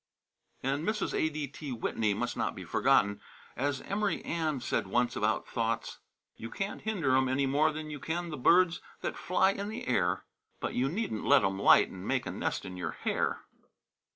'" And Mrs. A.D.T. Whitney must not be forgotten. "As Emory Ann said once about thoughts: 'You can't hinder 'em any more than you can the birds that fly in the air; but you needn't let 'em light and make a nest in your hair.'"